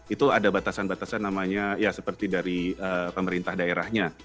itu ada batasan batasan namanya ya seperti dari pemerintah daerahnya